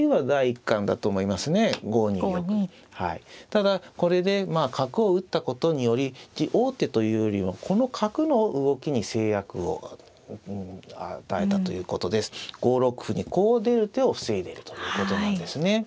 ただこれで角を打ったことにより王手というよりはこの角の動きに制約を与えたということで５六歩にこう出る手を防いでるということなんですね。